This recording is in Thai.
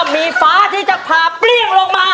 รอบมีฟ้าที่จะพาเปลี่ยงลงมา